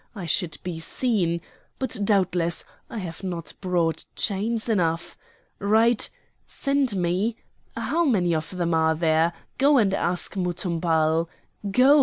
I should be seen—but doubtless, I have not brought chains enough? Write: Send me—How many of them are there? go and ask Muthumbal! Go!